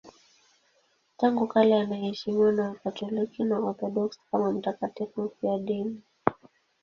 Tangu kale anaheshimiwa na Wakatoliki na Waorthodoksi kama mtakatifu mfiadini.